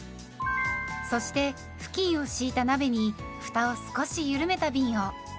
そして布巾を敷いた鍋にふたを少しゆるめたびんを。